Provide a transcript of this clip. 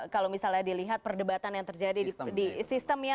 kalau misalnya dilihat perdebatan yang terjadi di sistem ya